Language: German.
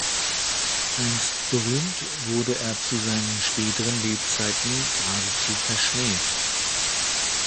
Einst berühmt, wurde er zu seinen späteren Lebzeiten geradezu verschmäht.